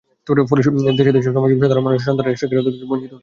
ফলে দেশে দেশে শ্রমজীবী সাধারণ মানুষের সন্তানেরা শিক্ষার অধিকার থেকে বঞ্চিত হচ্ছে।